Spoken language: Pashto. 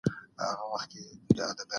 کله چي بې وسه شې نو دوستان دې ځي.